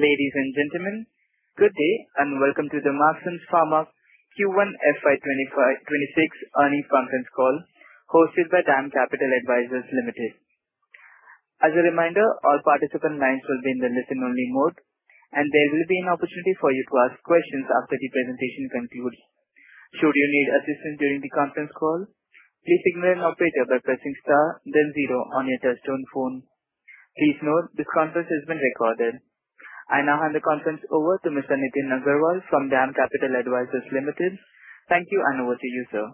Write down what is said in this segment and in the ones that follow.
Ladies and gentlemen, good day and welcome to the Marksans Pharma Q1 FY26 earnings conference call hosted by DAM Capital Advisors Limited. As a reminder, all participant lines will be in the listen-only mode, and there will be an opportunity for you to ask questions after the presentation concludes. Should you need assistance during the conference call, please signal your help later by pressing star, then zero on your telephone. Please note this conference has been recorded. I now hand the conference over to Mr. Nitin Agarwal from DAM Capital Advisors Limited. Thank you, and over to you, sir.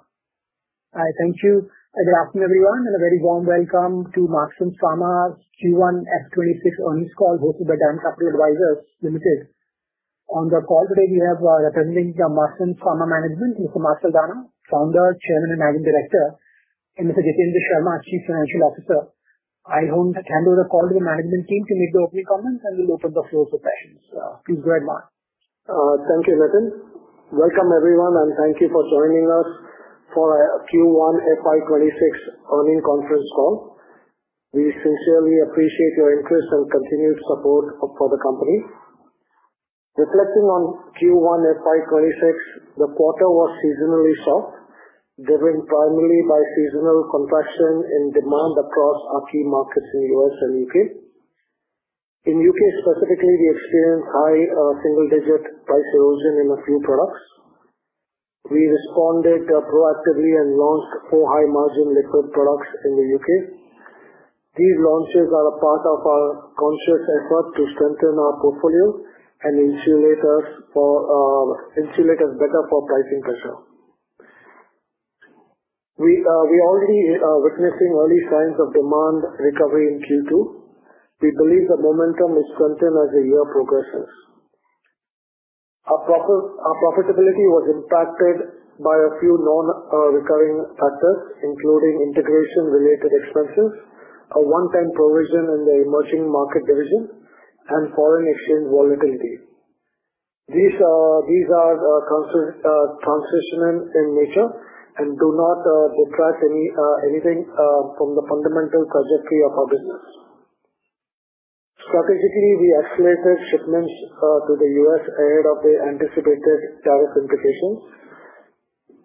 Hi, thank you. Good afternoon, everyone, and a very warm welcome to Marksans Pharma Q1 FY26 earnings call hosted by DAM Capital Advisors Limited. On the call today, we have representing Marksans Pharma Management, Mr. Mark Saldanha, Founder, Chairman, and Managing Director, and Mr. Jitendra Sharma, Chief Financial Officer. I hope to hand over the call to the management teams who need their opening comments, and we'll open the floor for questions. Please go ahead, Mark. Thank you, Nitin. Welcome, everyone, and thank you for joining us for a Q1 FY26 earnings conference call. We sincerely appreciate your interest and continued support for the company. Reflecting on Q1 FY26, the quarter was seasonally soft, driven primarily by seasonal contraction in demand across our key markets in the U.S. and UK. In the UK specifically, we experienced high single-digit price erosion in a few products. We responded proactively and launched four high-margin liquid products in the UK. These launches are a part of our conscious effort to strengthen our portfolio and insulate us better for pricing factor. We are already witnessing early signs of demand recovery in Q2. We believe the momentum will strengthen as the year progresses. Our profitability was impacted by a few non-recurring factors, including integration-related expenses, a one-time provision in the emerging market derivatives, and foreign exchange volatility. These are transitional in nature and do not deprive anything from the fundamental trajectory of our business. Strategically, we escalated shipments to the U.S. ahead of the anticipated tariff implications,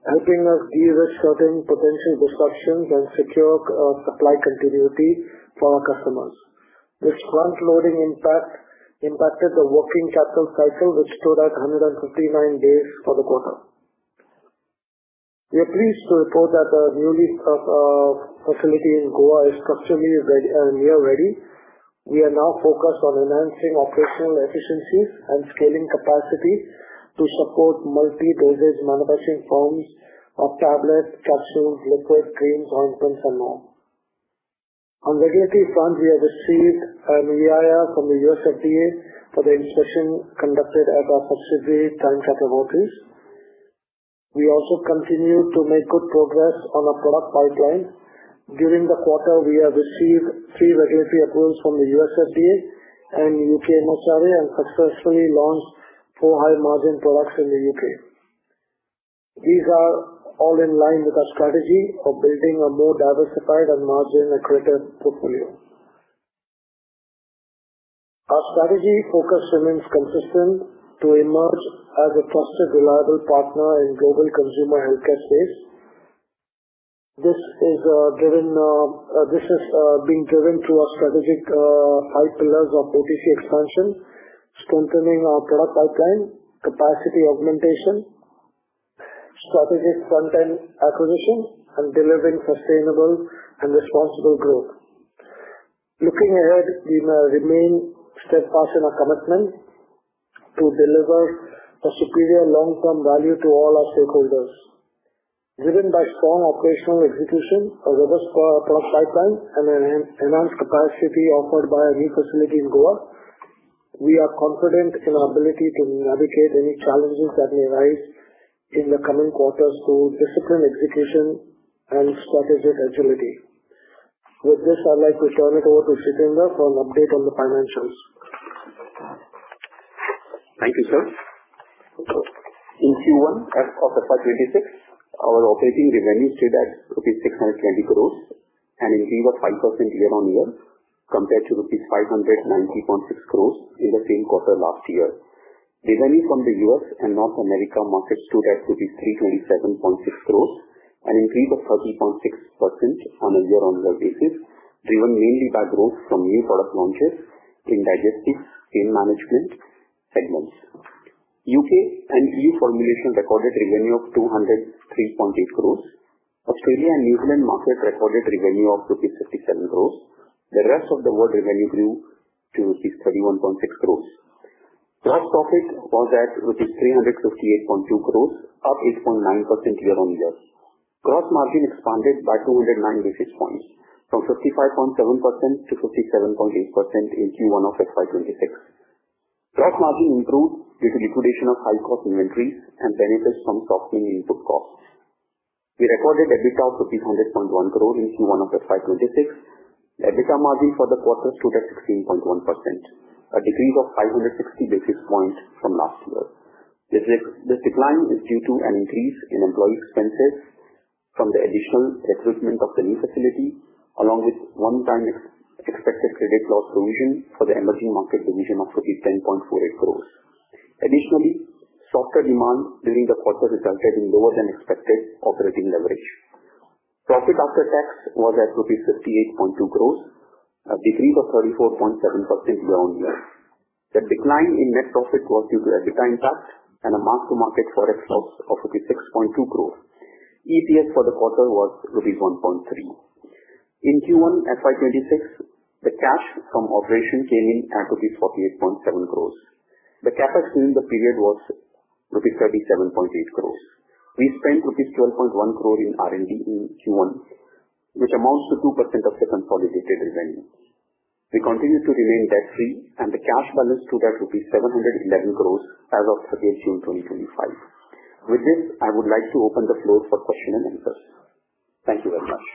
hoping that these would soften potential disruptions and secure supply continuity for our customers. This front-loading impact impacted the working shutdown cycle, which stood at 159 days for the quarter. We are pleased to report that the new facility in Goa is structurally near ready. We are now focused on enhancing operational efficiencies and scaling capacity to support multi-dosage manufacturing forms of tablets, capsules, liquids, creams, ointments, and more. On the GST side, we have received an EIA from the U.S. FDA for the inspection conducted at our subsidiary DAM Capital Holdings. We also continue to make good progress on our product pipeline. During the quarter, we have received three regulatory approvals from the U.S. FDA and the UK MHRA and successfully launched four high-margin products in the UK. These are all in line with our strategy of building a more diversified and margin-equated portfolio. Our strategy focused remains consistent to emerge as a trusted, reliable partner in the global consumer healthcare space. This is being driven through our strategic eight pillars of OTC expansion, strengthening our product pipeline, capacity augmentation, strategic front-end accuracy, and delivering sustainable and responsible growth. Looking ahead, we remain steadfast in our commitment to deliver a superior long-term value to all our stakeholders. Driven by strong operational execution, a robust product pipeline, and an enhanced capacity offered by a new facility in Goa, we are confident in our ability to navigate any challenges that may arise in the coming quarters through disciplined execution and strategic agility. With this, I'd like to turn it over to Jitendra for an update on the financials. Thank you, sir. In Q1 of FY26, our operating revenue stood at 626.2 crore rupees and increased by 5% year-on-year compared to rupees 590.6 crore in the same quarter last year. Revenue from the US and North America market stood at INR 327.6 crore and increased by 30.6% on a year-on-year basis, driven mainly by growth from new product launches, clean digestive team management, and launch. UK and EU formulation recorded revenue of 203.8 crore. Australia and New Zealand market recorded revenue of 57 crore. The rest of the world revenue grew to 31.6 crore. Gross profit was at 358.2 crore, up 8.9% year-on-year. Gross margin expanded by 296 basis points from 55.7%-57.8% in Q1 of FY26. Gross margin improved due to liquidation of high-cost inventories and benefits from softening input costs. We recorded EBITDA of 100.1 crore in Q1 of FY26. EBITDA margin for the quarter stood at 16.1%, a decrease of 560 basis points from last year. This decline is due to an increase in employee expenses from the additional equipment of the new facility, along with one-time expected credit loss revision for the emerging market revision of 10.48 crore. Additionally, softer demand during the quarter resulted in lower than expected operating leverage. Profit after tax was at 58.2 crore, a decrease of 34.7% year-on-year. The decline in net profit was due to a decline in tax and a mark-to-market forex loss of rupees 6.2 crore. EPS for the quarter was rupees 1.3. In Q1 FY26, the cash from operation came in at rupees 48.7 crore. The CapEx during the period was rupees 37.8 crore. We spent rupees 12.1 crore in R&D in Q1, which amounts to 2% of the consolidated revenue. We continue to remain debt-free, and the cash balance stood at 711 crore as of 30th June 2025. With this, I would like to open the floor for question and answer. Thank you very much.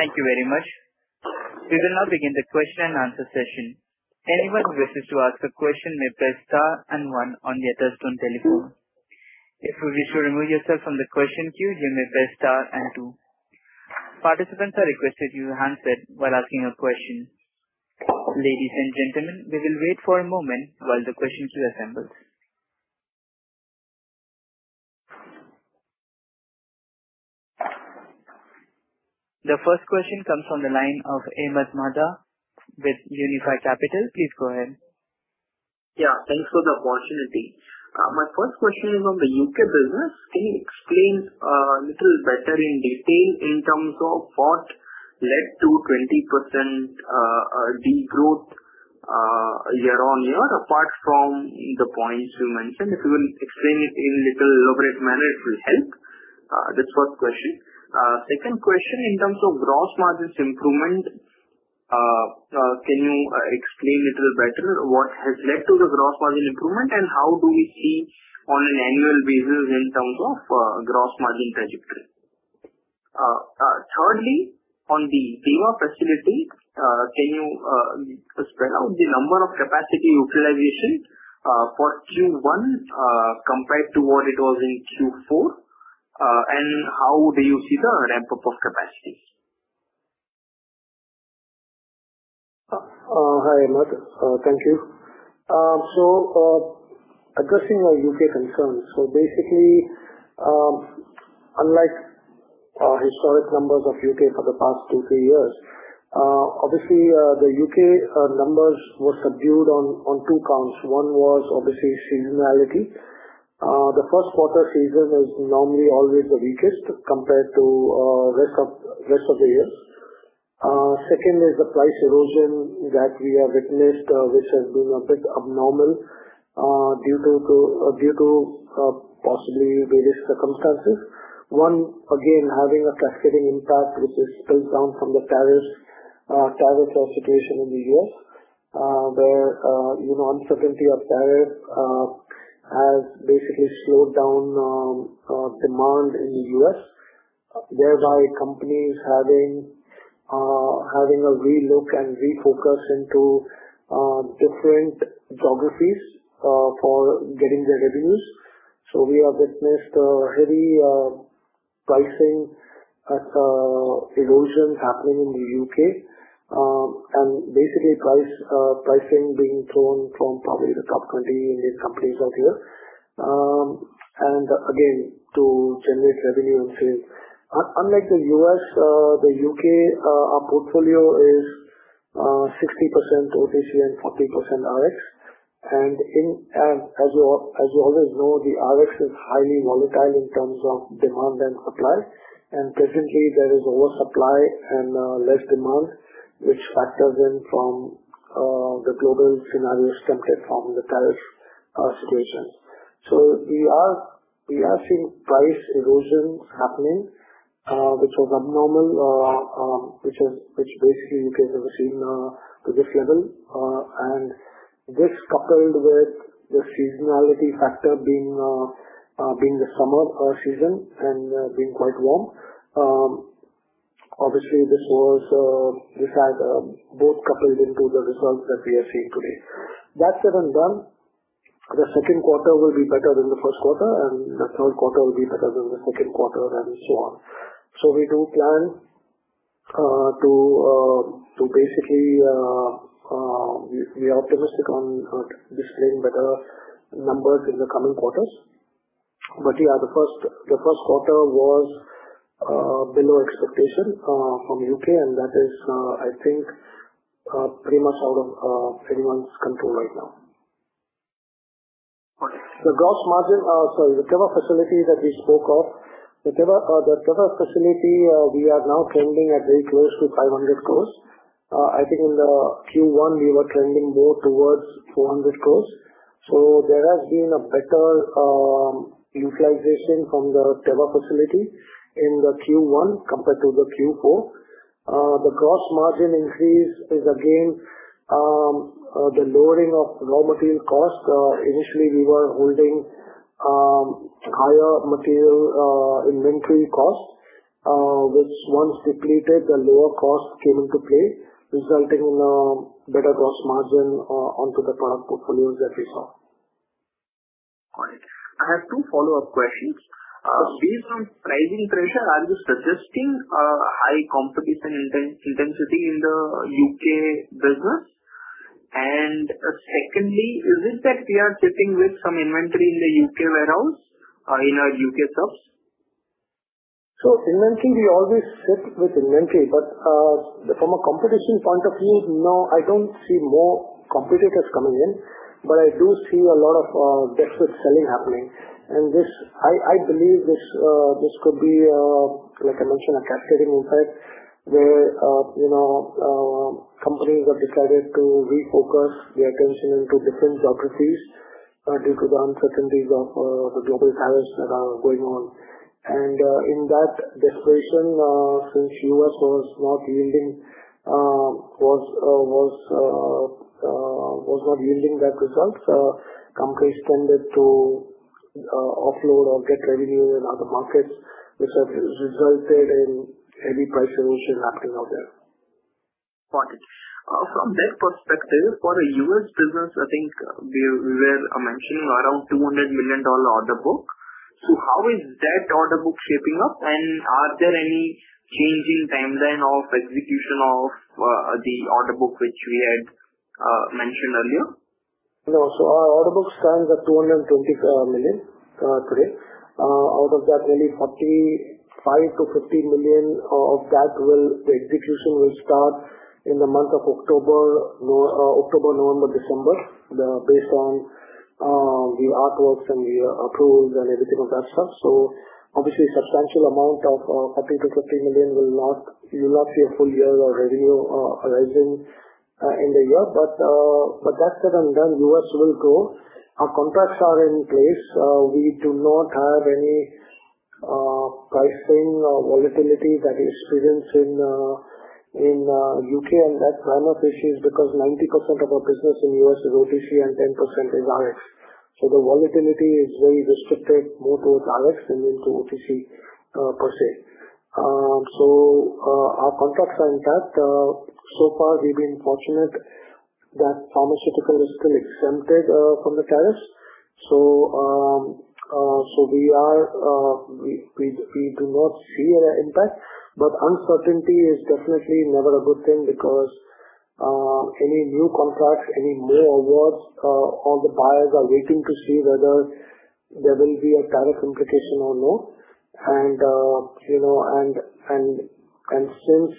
Thank you very much. We will now begin the question and answer session. Anyone who wishes to ask a question may press star and one on your telephone. If you wish to remove yourself from the question queue, you may press star and two. Participants are requested to use handsets while asking a question. Ladies and gentlemen, we will wait for a moment while the question queue assembles. The first question comes from the line of Ahmed Madha with Unifi Capital. Please go ahead. Yeah, thanks for the opportunity. My first question is on the UK business. Can you explain a little better in detail in terms of what led to 20% degrowth year-on-year apart from the points you mentioned? If you will explain it in a little elaborate manner, it will help. That's the first question. Second question, in terms of gross margins improvement, can you explain a little better what has led to the gross margin improvement and how do we see on an annual basis in terms of gross margin trajectory? Thirdly, on the FEMA facility, can you spell out the number of capacity utilizations for Q1 compared to what it was in Q4? How do you see the ramp-up of capacity? Hi, Ahmed. Thank you. Addressing the UK concerns, basically, unlike historic numbers of UK for the past two, three years, obviously, the UK numbers were subdued on two counts. One was seasonality. The first quarter season is normally always the weakest compared to the rest of the year. The second is the price erosion that we have witnessed, which has been a bit abnormal due to possibly various circumstances. One, again, having a fascinating impact, which is still down from the tariff situation in the U.S., where you know uncertainty of tariff has basically slowed down demand in the U.S., thereby companies having a relook and refocus into different geographies for getting their revenues. We have witnessed a heavy pricing erosion happening in the UK and basically pricing being drawn from probably the top 20 Indian companies of the year to generate revenue and sales. Unlike the U.S., in the UK, our portfolio is 60% OTC and 40% RX. As you always know, the RX is highly volatile in terms of demand and supply. Presently, there is oversupply and less demand, which factors in from the global scenario exempted from the tariff situations. We are seeing price erosion happening, which was abnormal, which basically we've never seen at this level. This, coupled with the seasonality factor being the summer season and being quite warm, obviously, this had both coupled into the results that we are seeing today. That said, the second quarter will be better than the first quarter, and the third quarter will be better than the second quarter, and so on. We do plan to basically, we are optimistic on displaying better numbers in the coming quarters. The first quarter was below expectation from the UK, and that is, I think, pretty much out of anyone's control right now. The gross margin, sorry, the total facility that we spoke of, the total facility we are now trending at very close to 500 crore. I think in Q1, we were trending more towards 400 crore. There has been a better utilization from the total facility in Q1 compared to Q4. The gross margin increase is, again, the lowering of raw material costs. Initially, we were holding higher material inventory costs, which once depleted, the lower costs came into play, resulting in a better gross margin onto the product portfolio as a result. Got it. I have two follow-up questions. Based on pricing pressure, are you suggesting a high competition intensity in the UK business? Secondly, is it that we are sitting with some inventory in the UK warehouse in our UK subs? We always sit within from a competition point of view, no, I don't see more competitors coming in, but I do see a lot of desperate selling happening. I believe this could be, like I mentioned, a taxation impact where companies are disordered to refocus their attention into different geographies due to the uncertainties of the global tariffs that are going on. In that situation, since the US was not yielding that result, companies tended to offload or get revenue in other markets, which resulted in any price erosion happening out there. Got it. From that perspective, for a U.S. business, I think we were mentioning around $200 million order book. How is that order book shaping up? Are there any changing timeline of execution of the order book which we had mentioned earlier? No. Our order book stands at $220 million today. Out of that, maybe $45-$50 million of that, the execution will start in the month of October, November, December, based on the artworks and the approvals and everything of that stuff. Obviously, a substantial amount of $135 million will not yield up to a full year of revenue arising in the year. That said and done, U.S. will grow. Our contracts are in place. We do not have any pricing or volatility that is present in UK and North China patients because 90% of our business in U.S. is OTC and 10% is RX. The volatility is very restricted more towards RX and then to OTC purchase. Our contracts are intact. So far, we've been fortunate that pharmaceutical is still exempted from the tariffs. We do not see an impact, but uncertainty is definitely never a good thing because any new contracts, any more awards, all the buyers are waiting to see whether there will be a tariff implication or not. Since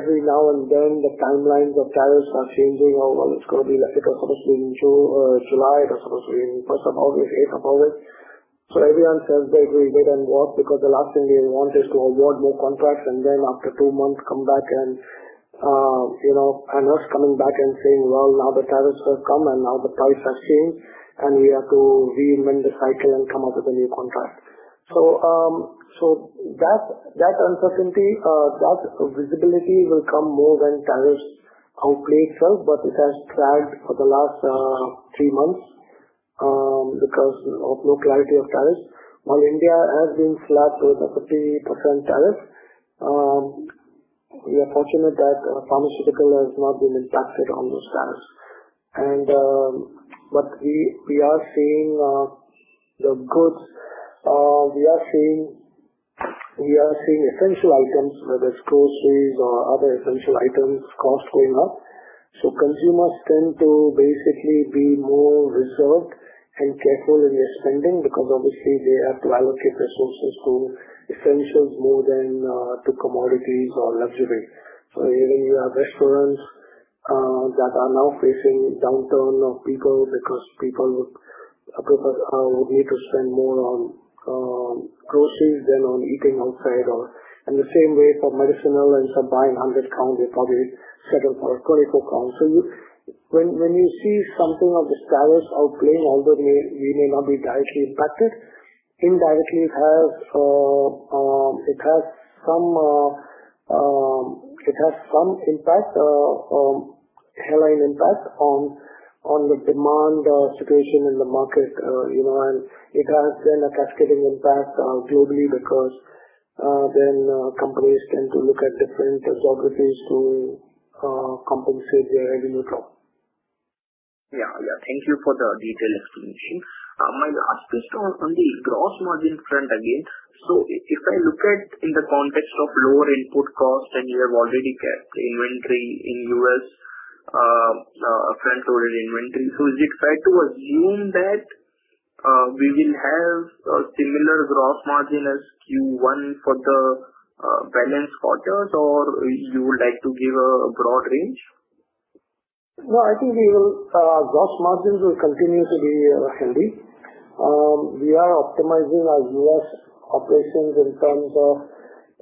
every now and then the timelines of tariffs are changing, or it's going to be like the economic review in July, the economic review in Q3, everyone says they agree with it because the last thing they want is to award more contracts and then after two months come back and a nurse coming back and saying, "Now the tariffs have come and now the price has changed, and we have to reinvent the cycle and come up with a new contract." That uncertainty, that visibility will come more when tariffs outplay itself, but it has dragged for the last three months because of no clarity of tariffs. While India has been slapped with a 30% tariff, we are fortunate that pharmaceutical has not been impacted on those tariffs. We are seeing the goods. We are seeing essential items, whether it's groceries or other essential items, costful enough. Consumers tend to basically be more reserved and careful in their spending because obviously they have to allocate their groceries to essentials more than to commodities or luxury. You have restaurants that are now facing downturn of people because people would be able to spend more on groceries than on eating outside. In the same way for medicinal and some buying £100, they probably settle for £24. When you see something of the tariffs outplaying, although we may not be directly impacted, indirectly it has some impact, headline impact on the demand situation in the market. It has been a cascading impact globally because then companies tend to look at different geographies to compensate their revenue drop. Thank you for the detailed explanation. My last question on the gross margin trend again. If I look at in the context of lower input costs and you have already kept inventory in the U.S., a trend to real inventory, is it fair to assume that we will have a similar gross margin as Q1 for the finance quarter, or would you like to give a broad range? I think our gross margins will continue to be handy. We are optimizing our U.S. operations in terms of,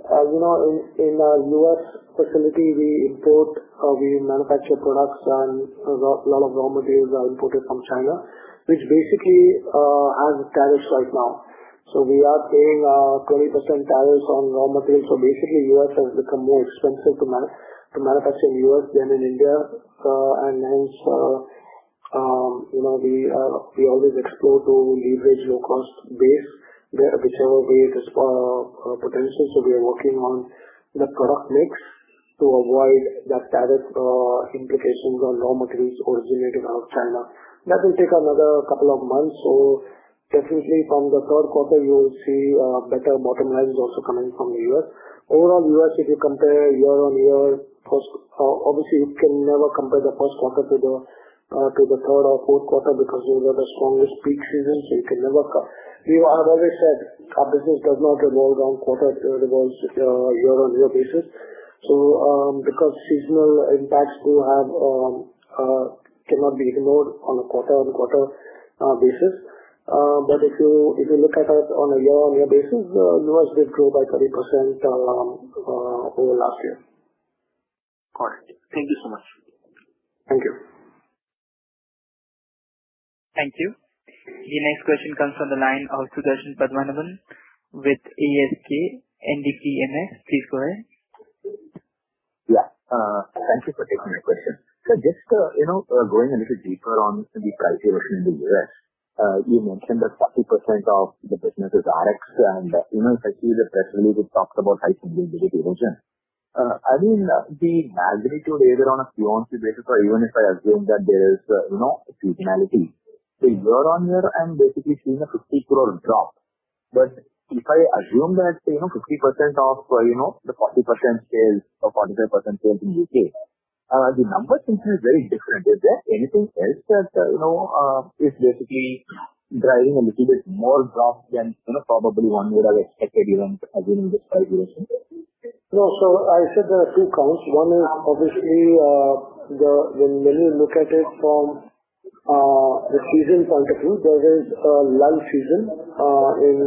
as you know, in our U.S. facility, we import, we manufacture products, and a lot of raw materials are imported from China, which basically has tariffs right now. We are paying a 30% tariff on raw materials. U.S. has become more expensive to manufacture in the U.S. than in India. Hence, you know, we always explore to leverage low-cost base where there is a potential. We are working on the product mix to avoid the tariff implications on raw materials originating out of China. That will take another couple of months. Definitely, from the third quarter, you will see better bottom lines also coming from the U.S. Overall, U.S., if you compare year-on-year, obviously, you can never compare the first quarter to the third or fourth quarter because these are the strongest peak seasons. You can never, we have always said, our business does not revolve around quarters, it revolves on a year-on-year basis. Seasonal impacts cannot be ignored on a quarter-on-quarter basis. If you look at it on a year-on-year basis, U.S. did grow by 30% over the last year. Got it. Thank you so much. Thank you. Thank you. The next question comes from the line of Sudarshan Padmanabhan with ASK NDPNS 34. Thank you for taking the question. Just going a little deeper on the pricing in the US, you mentioned that 40% of the business is RX. Especially the person who talked about high competitivity, the magnitude everyone has gone to basically, even if I assume that there is no seasonality, the year-on-year I'm basically seeing an 50 crore drop. If I assume that 50% of the 40% sales or 45% sales in the UK, the number of things are very different. Is there anything else that is basically driving a little bit more drop than probably one would have expected even as in the regulation? No. I said there are two counts. One is obviously when you look at it from the season concept, there is a lull season in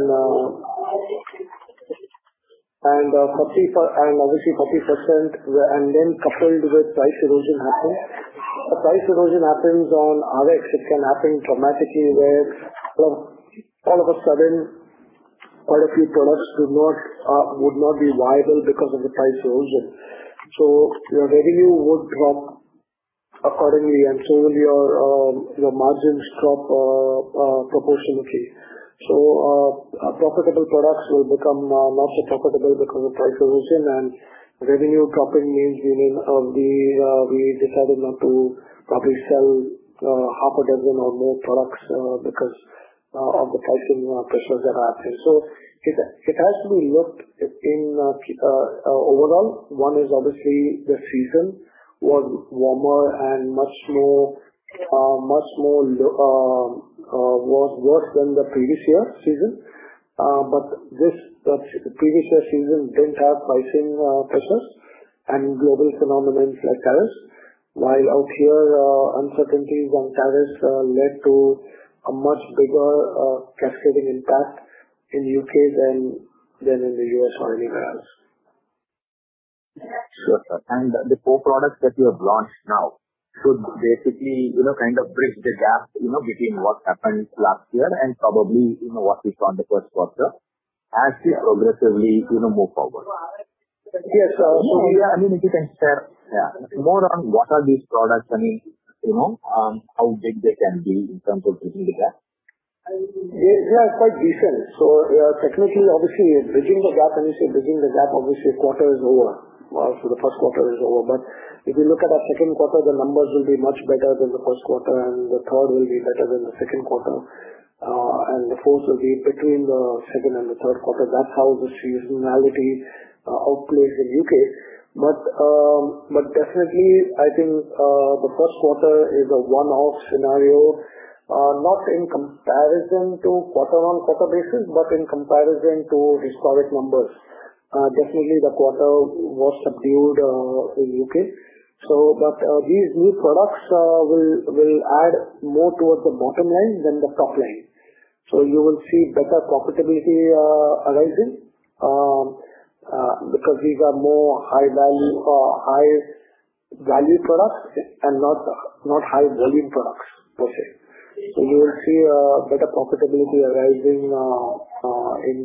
and obviously 40%. Then coupled with price erosion happening. A price erosion happens on RX. It can happen dramatically where all of a sudden qualitative products would not be viable because of the price erosion. Your revenue would drop accordingly, and your margins drop proportionately. Profitable products will become not so profitable because of price erosion. Revenue dropping means we decided not to probably sell half a dozen or more products because of the pricing pressures that are happening. If I actually look in overall, one is obviously the season was warmer and much more was worse than the previous year's season. This previous year's season didn't have pricing pressures and global phenomenons like tariffs. Out here, uncertainties on tariffs led to a much bigger cascading impact in the UK than in the Europe or anywhere else. The four products that you have launched now should basically kind of bridge the gap between what happened last year and probably what we saw in the first quarter as you progressively move forward. Yes. If you can share more on what are these products and how big they can be. Obviously, you're bridging the gap. You said bridging the gap, obviously, a quarter is over. The first quarter is over. If you look at the second quarter, the numbers will be much better than the first quarter, and the third will be better than the second quarter. The fourth will be between the second and the third quarter. That's how the seasonality outplays in the UK. I think the first quarter is a one-off scenario, not in comparison to quarter-on-quarter basis, but in comparison to historic numbers. The quarter was subdued in the UK. These new products will add more towards the bottom line than the top line. You will see better profitability arising because these are more high-value products and not high-volume products. You will see better profitability arising in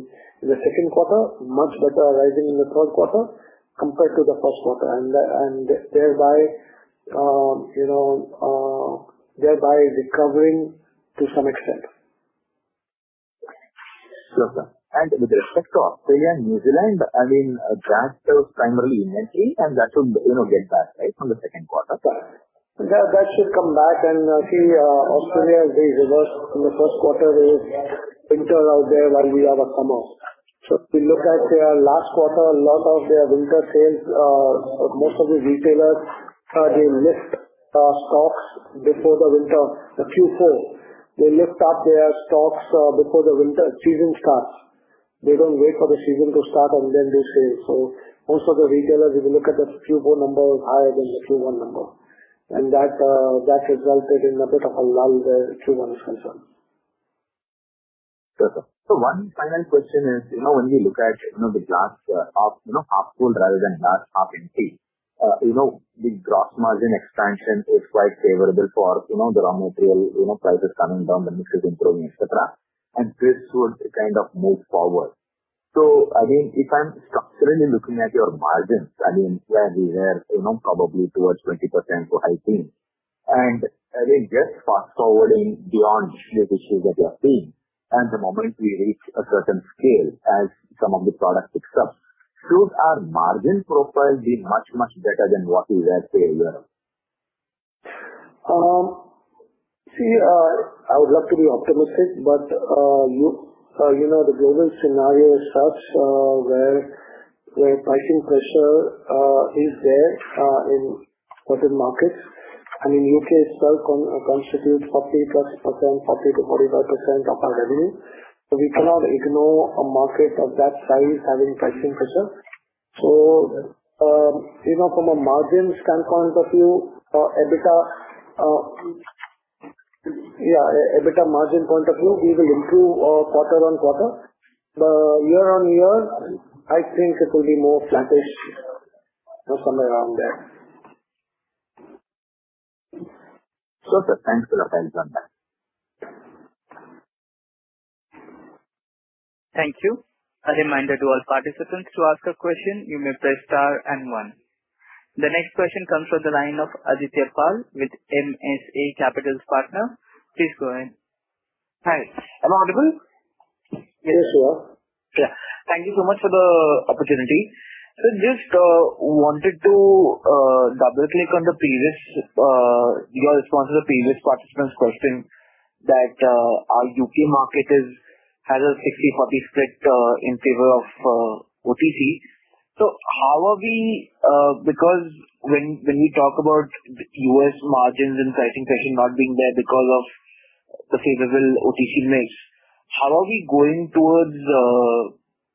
the second quarter, much better arising in the third quarter compared to the first quarter, thereby, you know, the recovering to some extent. With respect to Australia and New Zealand, that's the primary energy. That will get back from the second quarter. That should come back. Australia has been reversed in the first quarter with winter out there while we are a coma. If you look at their last quarter, a lot of their winter sales Q4, they lift up their stocks because the winter season starts. They don't wait for the season to start, and then they sell. Most of the retailers, if you look at the Q4 number, are higher than the Q1 number. That resulted in a bit of a lull in the Q1 expansion. One final question is, when you look at the glass half-full rather than glass half-empty, the gross margin expansion is quite favorable for the raw material prices coming down, the mix is improving, etc. This would kind of move forward. If I'm structurally looking at your margins, where we were probably towards 20%-18%, just fast forwarding the launch issues that you are seeing, and the moment we reach a certain scale as some of the products pick up, should our margin profile be much, much better than what we were earlier? See, I would love to be optimistic, but you know the global scenario itself where pricing pressure is there in certain markets. The UK itself constitutes 40%-45% of our revenue. We cannot ignore a market of that size having pricing pressure. From a margins standpoint, yeah, a better margin point of view, we will improve quarter on quarter. Year on year, I think it will be more flattish somewhere around. Sure. Thanks for that, Ahmed. Thank you. A reminder to all participants, to ask a question, you may press star and one. The next question comes from the line of Aditya Pal with MSA Capital Partner. Please go ahead. Hi. I'm I audible? Yes, you are. Yes. Thank you so much for the opportunity. I just wanted to double-click on your response to the previous participant's question that our UK market has a 50-40 split in favor of OTC. When we talk about the U.S. margins and pricing pressure not being there because of the favorable OTC rates, how are we going towards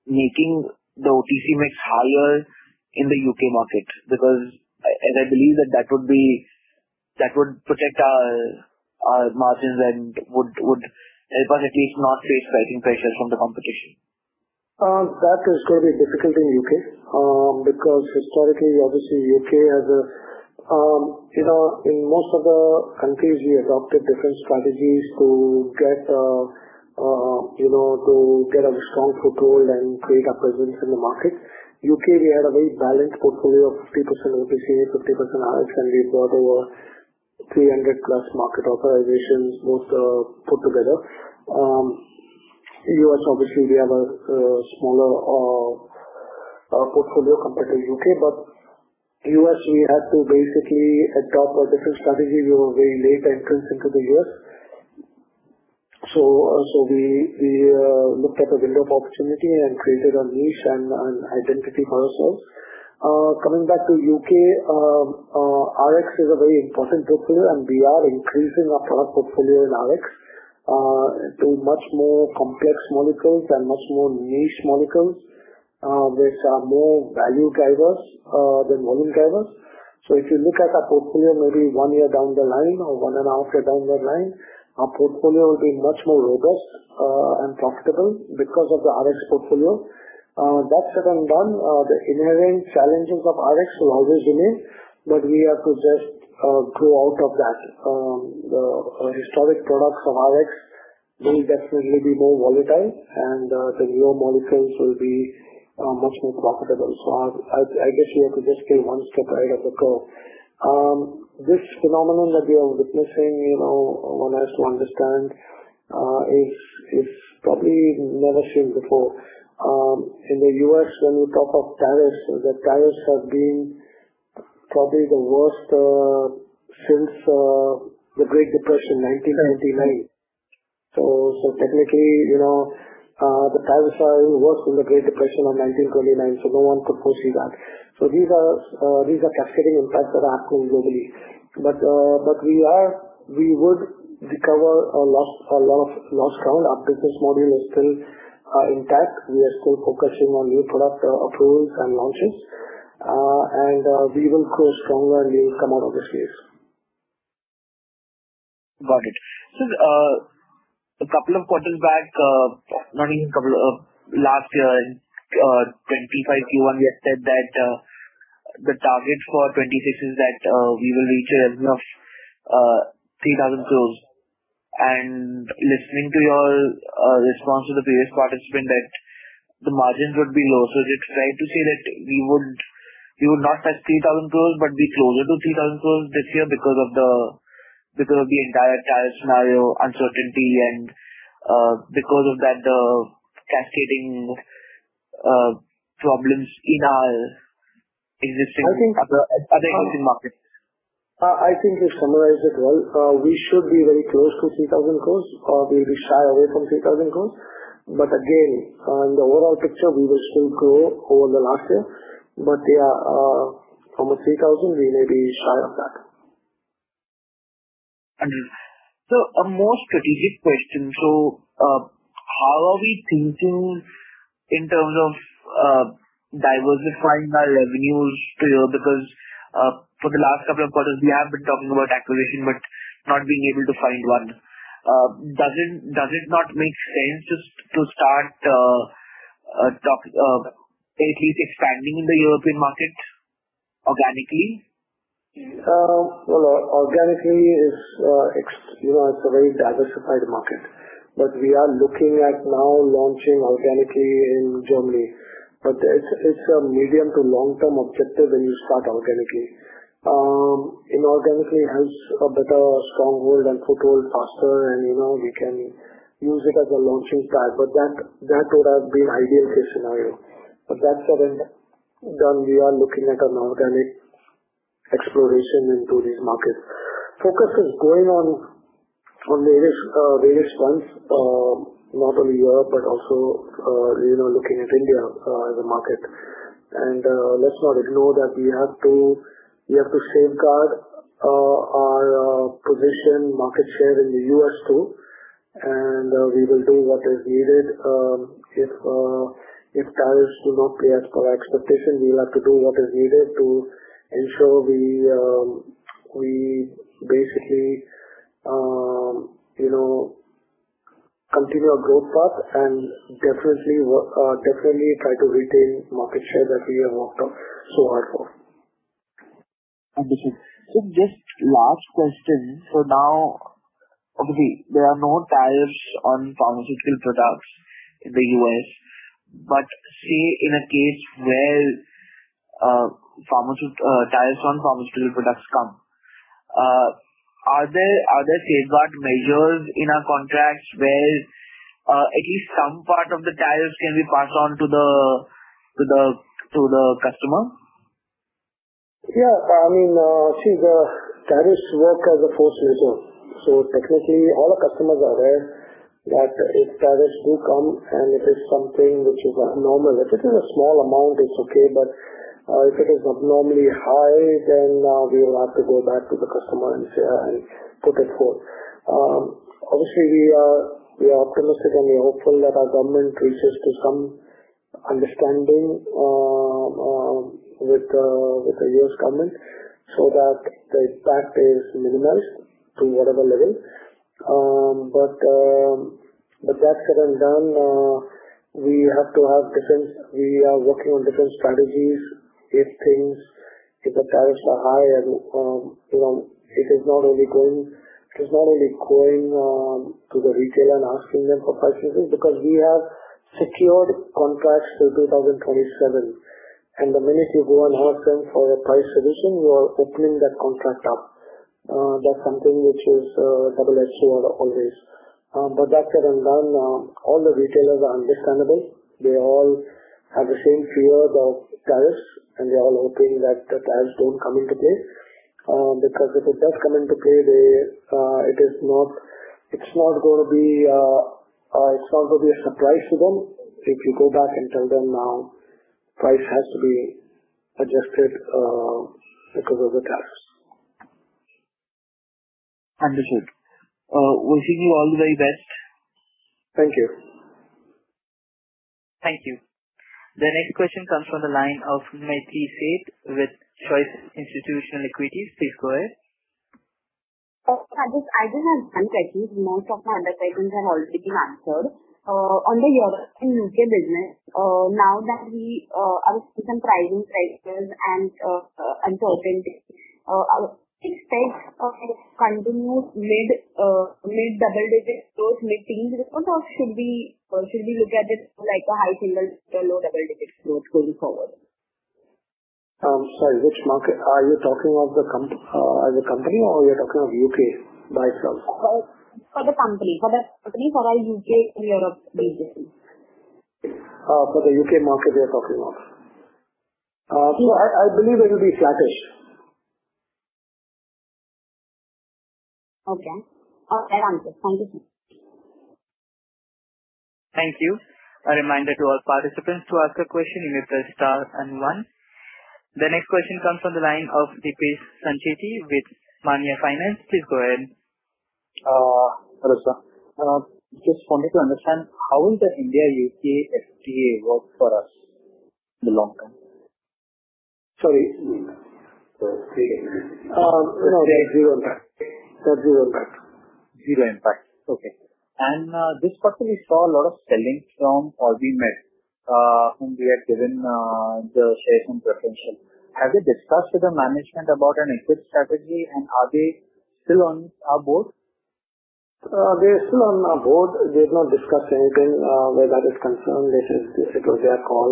making the OTC mix higher in the UK market? I believe that would protect our margins and would help us at least not face pricing pressures from the competition. That is going to be difficult in the UK, because historically, obviously, the UK has a, you know, in most of the countries, we adopted different strategies to get, you know, to get a strong foothold and create a presence in the market. UK, we had a very balanced portfolio of 50% OTC, 50% RX, and we brought over 300-plus market authorizations, most put together. US, obviously, we have a smaller portfolio compared to the UK, but the US, we looked at a window of opportunity and created a niche and identity for our call. Coming back to the UK, RX is a very important portfolio, and we are increasing our product portfolio in RX, to much more complex molecules and much more niche molecules, which are more value drivers than volume drivers. If you look at our portfolio maybe one year down the line or one and a half year down the line, our portfolio will be much more robust and profitable because of the RX portfolio. That said and done, the inherent challenges of RX will always be there, but we have to just grow out of that. The historic products of RX will definitely be more volatile, and the newer molecules will be much more profitable. I wish we had to just kill one stroke ahead of the curve. This phenomenon that we are witnessing, you know, one has to understand, is probably never seen before. In the US, when you talk of tariffs, the tariffs have been probably the worst since the Great Depression in 1929. Technically, you know, the tariffs are even worse from the Great Depression of 1929, so no one could foresee that. These are cascading impacts that are happening globally. We would recover a lot, a lot of lost ground. Our business model is still intact. We are still focusing on new product approvals and launches, and we will grow stronger and we will come out of this case. Got it. A couple of quarters back, last year, in Q5, Q1, we had said that the target for 2026 is that we will reach a region of 3,000 crores. Listening to your response to the previous participant that the margins would be low, it's fair to say that we would not touch 3,000 crores, but be closer to 3,000 crores this year because of the entire tariff scenario uncertainty and, because of that, the cascading problems in our existing market. I think you summarized it well. We should be very close to 3,000 crore or maybe shy away from 3,000 crore. Again, on the overall picture, we will still grow over last year. From 3,000 crore, we may be shy of that. How are we thinking in terms of diversifying our revenues to Europe? For the last couple of quarters, we have been talking about acquisition but not being able to find one. Does it not make sense to start talking, at least expanding in the European markets organically? Organically, it's a very diversified market. We are looking at now launching organically in Germany. It's a medium to long-term objective when you start organically. Inorganically has a better stronghold and foothold faster, and we can use it as a launching pad. That would have been ideal case scenario. That's what I'm done. We are looking at an organic exploration into these markets, focusing on various ones, not only Europe but also looking at India as a market. Let's not ignore that we have to safeguard our position, market share in the US too. We will do what is needed. If tariffs do not react to our expectation, we'll have to do what is needed to ensure we basically continue our growth path and definitely try to retain market share. Last question. Obviously, there are no tariffs on pharmaceutical products in the U.S. In a case where tariffs on pharmaceutical products come, are there safeguard measures in our contracts where at least some part of the tariffs can be passed on to the customer? Yeah. I mean, see, the tariffs work as a forced labor. Technically, all our customers are aware that if tariffs do come and if it's something which is abnormal, if it is a small amount, it's okay. If it is abnormally high, then we will have to go back to the customer and say, and put it forth. Obviously, we are optimistic and we are hopeful that our government reaches to some understanding with the U.S. government. That said and done, we have to have different, we are working on different strategies if things, if the tariffs are high and, you know, if it's not really going, if it's not really going to the retailer and asking them for pricing because we have secured contracts till 2027. The minute you go and ask them for a price submission, you are opening that contract up. That's something which is a double-edged sword always. That said and done, all the retailers are understandable. They all have the same fear about just coming to pay the, it is not, it's not going to be, it's not going to be a surprise to them if you go back and tell them now price has to be adjusted. Wishing you all the very best. Thank you. Thank you. The next question comes from the line of Maitri Sheth with Choice Institutional Equities. Please go ahead. I think most of my undertakings have already been answered. On the European UK business, now that we are seeing some rising prices and uncertainty, is it safe to continue with double-digit growth, 15%, or should we look at it like a high single or low double-digit growth going forward? Sorry, which market are you talking about? The company, the company, or you're talking about the UK by itself? Oh, for the company, for our UK and Europe business. For the UK market, we are talking about, I believe it will be flattish. Okay. All right, Saldanha. Thank you. Thank you. A reminder to all participants, to ask a question you may press star and one. The next question comes from the line of Deepesh Sancheti with Maanya Finance. Please go ahead. Hello, sir. Just wanted to understand how will the India-UK SGA work for us in the long term? Sorry. Three days. No, they are zero and five. Zero and five. Okay. This quarter, we saw a lot of selling from Albin Mel, whom we have given the shareholder preferential. Have they discussed with the management about an exit strategy, and are they still on our board? They are still on our board. They have not discussed anything where that is concerned. They said they should go to their call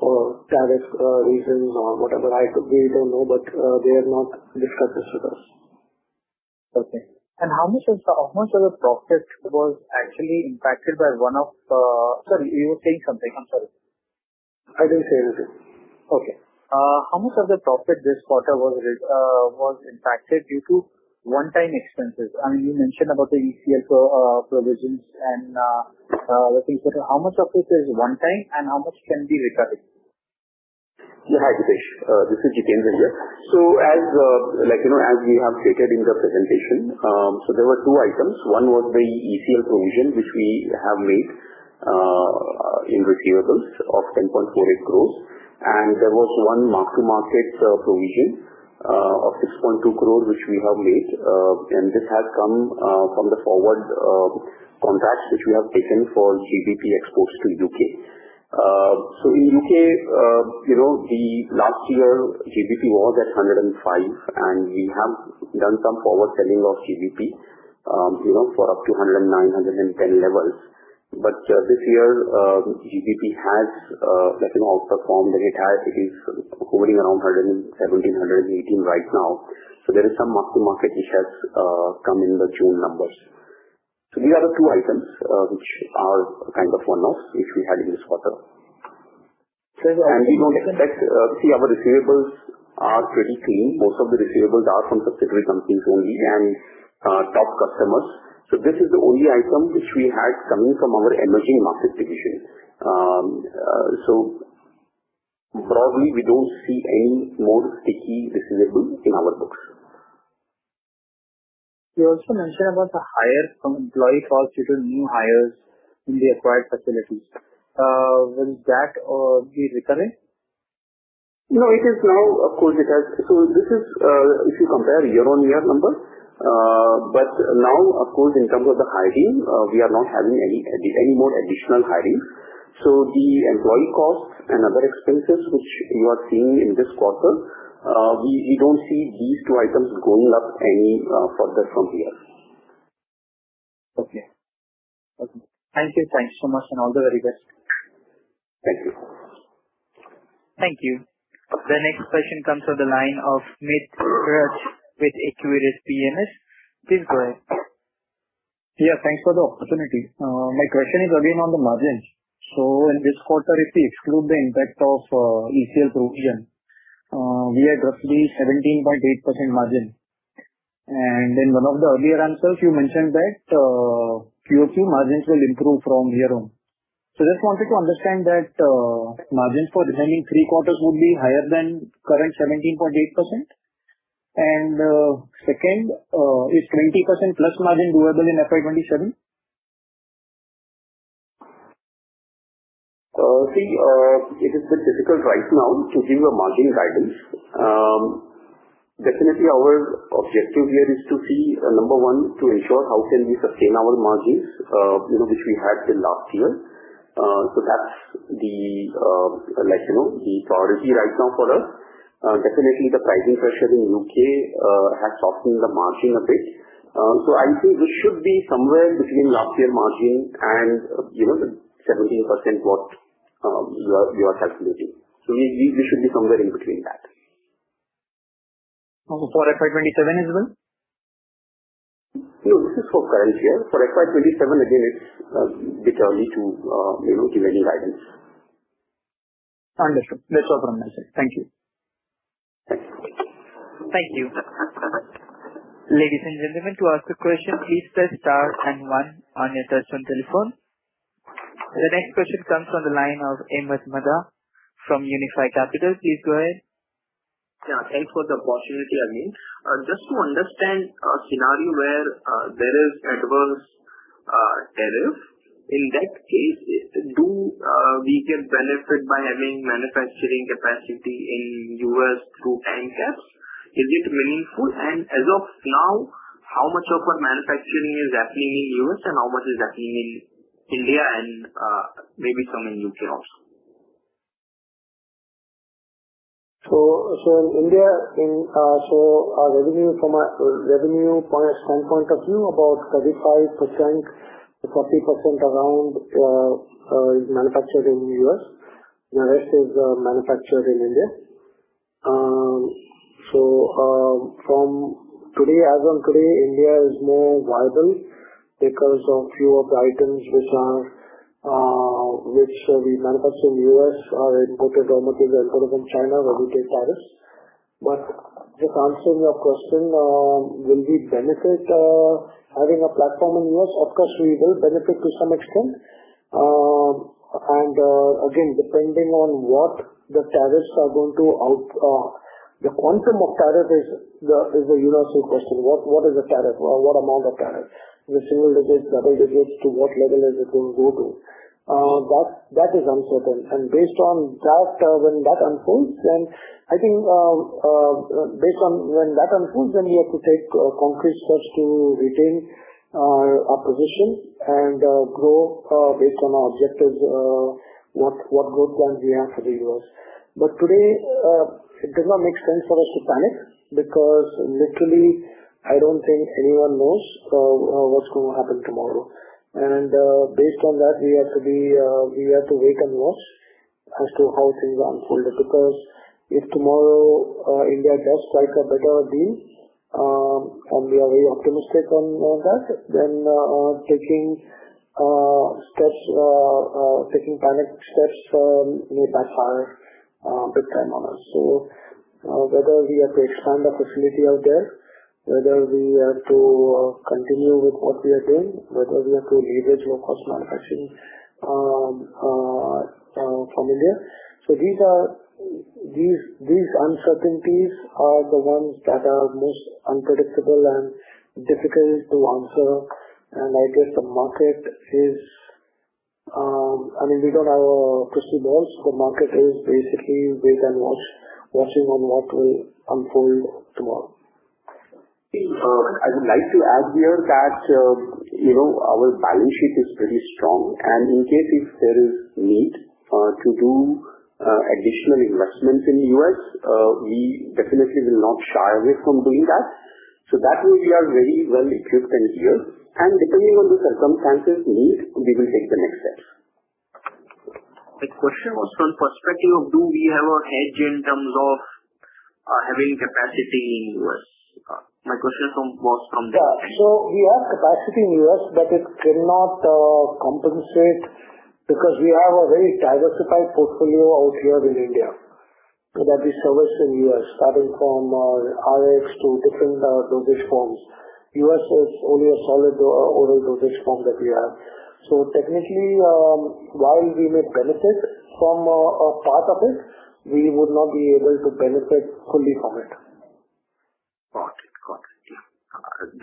for tariff reasons or whatever. We don't know, but they have not disclosed this to us. Okay. How much of the profit was actually impacted by one of, sorry, you were saying something. I'm sorry. I didn't say anything. Okay. How much of the profit this quarter was impacted due to one-time expenses? I mean, you mentioned about the ECL provisions and the things that are, how much of it is one-time and how much can be recurring? Hi, Deepesh. This is Jitendra Sharma. As you have stated in the presentation, there were two items. One was the ECL provision, which we have made in receivables of 10.48 crore. There was one mark-to-market provision of 6.2 crore, which we have made. This has come from the forward contracts which we have taken for GBP exports to the UK. In the UK, last year, GBP was at 105, and we have done some forward selling of GBP for up to 109, 110 levels. This year, GBP has outperformed and it is hovering around 117, 118 right now. There is some mark-to-market issue that has come in the June numbers. These are the two items, which are kind of one-offs which we had in this quarter. We don't expect to see our receivables are pretty clean. Most of the receivables are from subsidiary companies only and top customers. This is the only item which we had coming from our emerging market situation. Broadly, we don't see any more sticky receivable in our books. You also mentioned about the hire from employees who are due to new hires in the acquired facilities. Will that be recurring? No, it is now a cold recurrency. If you compare a year-on-year number, in terms of the hiring, we are not having any more additional hiring. The employee costs and other expenses which you are seeing in this quarter, we don't see these two items going up any further from here. Okay. Thank you. Thanks so much and all the very best. Thanks. Thank you. The next question comes from the line of Meet Rachchh with Equiris P&S. Please go ahead. Yeah, thanks for the opportunity. My question is again on the margins. In this quarter, if we exclude the impact of ECL provisions, we are roughly at 17.8% margin. In one of the earlier answers, you mentioned that Q2 margins will improve from here on. I just wanted to understand that margins for the remaining three quarters would be higher than the current 17.8%. Second, is 20%+ margin doable in FY2027? See, it is difficult right now to see the margin guidance. Definitely, our objective here is to see, number one, to ensure how can we sustain our margins, you know, which we had in last year. That's the priority right now for us. Definitely, the pricing pressure in the UK has softened the margin a bit. This should be somewhere in between last year's margin and the 17% what you are calculating. We agree this should be somewhere in between that. Oh, for FY2027 as well? No, this is for current year. For FY27, again, it's determined to, you know, give any guidance. Understood. Let's go from there. Thank you. Thank you. Ladies and gentlemen, to ask a question, please press star and one on your touch-tone telephone. The next question comes from the line of Ahmed Madha from Unifi Capital. Please go ahead. Yeah, thanks for the opportunity again. Just to understand a scenario where there is adverse tariff, in that case, do we get benefit by having manufacturing capacity in the U.S. through time steps? Is it meaningful? As of now, how much of our manufacturing is happening in the U.S. and how much is happening in India and maybe some in the UK also? In India, from a revenue point of view, about 35%-40% is manufactured in the U.S. The rest is manufactured in India. As of today, India is more viable because a few of the items we manufacture in the U.S. are imported raw materials from China, where we pay tariffs. To answer your question, will we benefit from having a platform in the U.S.? Of course, we will benefit to some extent. Again, depending on what the tariffs are going to be, the quantum of tariff is the universal question. What is the tariff? What amount of tariff? Is it single digits, double digits? To what level is it going to go to? That is uncertain. Based on that, when that unfolds, then I think you have to take concrete steps to retain our position and grow, based on our objectives and what growth plans we have for the U.S. Today, it does not make sense for us to panic because literally, I don't think anyone knows what's going to happen tomorrow. Based on that, we have to wait and watch as to how things unfold because if tomorrow, India does quite a better deal, and we are very optimistic on that, then taking panic steps, you know, that hire big time on us. Whether we are to expand the facility out there, whether we are to continue with what we are doing, whether we are to leverage workforce manufacturing from India, these uncertainties are the ones that are most unpredictable and difficult to answer. I guess the market is, I mean, we don't have a crystal ball. The market is basically wait and watch, watching on what will unfold tomorrow. I would like to add here that our balance sheet is pretty strong. In case there is need to do additional investments in the U.S., we definitely will not shy away from doing that. That way, we are very well equipped and geared. Depending on the circumstances needed, we will take the next steps. A question was from the perspective of do we have a hedge in terms of having capacity in the U.S.? My question is from both from the. We have capacity in the U.S., but it cannot compensate because we have a very diversified portfolio out here in India that is serviced in the U.S., starting from RX to different dosage forms. U.S. is only a solid oral dosage form that we have. Technically, while we may benefit from a part of it, we would not be able to benefit fully from it.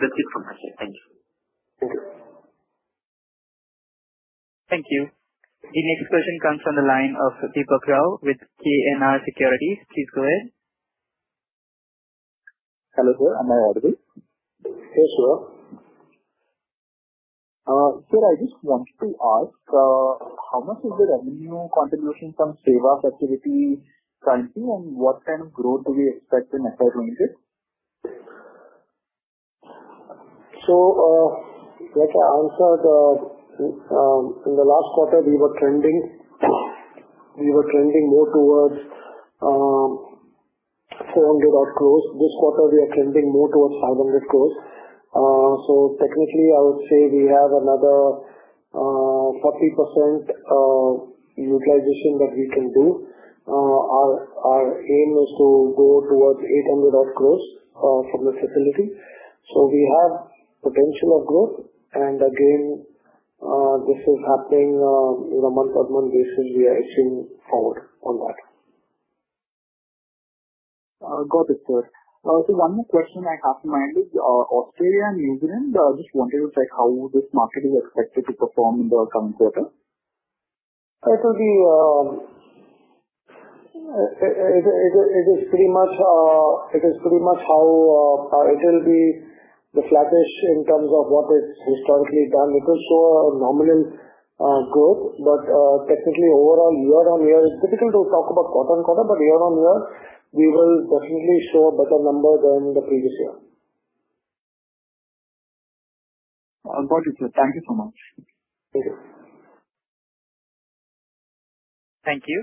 Got it. Got it. Yeah, that's the information. Thank you. Thank you. The next question comes from the line of Deepak Rao with KNR Securities. Please go ahead. Hello, sir. I'm I audible? Yes, you are. Sir, I just want to ask, how much is the revenue contribution from save-off activity currently, and what kind of growth do we expect in FY2028? Like I answered, in the last quarter, we were trending more towards 400 crore. This quarter, we are trending more towards 500 crore. Technically, I would say we have another 40% utilization that we can do. Our aim is to go towards 800 crore from the facility. We have potential of growth. This is happening on a month-on-month basis. We are aiming forward on that. Got it, sir. The only question I have to manage is Australia and New Zealand. I just wanted to check how this market is expected to perform in the coming quarter. It is pretty much how it will be the flattest in terms of what is historically done. We will show a nominal growth, but technically, overall, year on year, it's difficult to talk about quarter on quarter, but year on year, we will definitely show a better number than the previous year. I've got it, sir. Thank you so much. Okay. Thank you.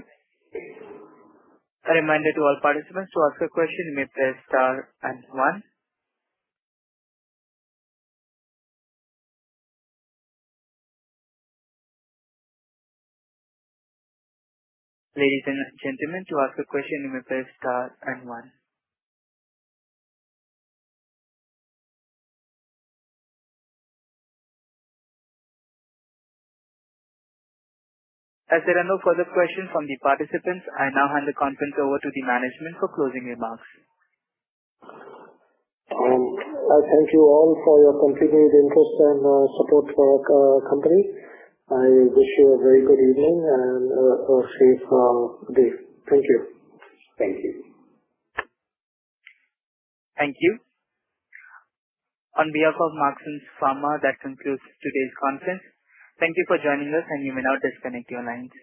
A reminder to all participants, to ask a question, you may press star and one. Ladies and gentlemen, to ask a question, you may press star and one. As there are no further questions from the participants, I now hand the content over to the management for closing remarks. Support for the company. I wish you a very good evening and a safe day. Thank you. Thank you. Thank you. On behalf of Marksans Pharma, that concludes today's conference. Thank you for joining us, and you may now disconnect your lines.